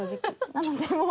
なのでもう。